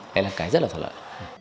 đây là cái rất là thật lợi